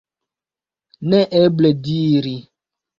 Neeble diri.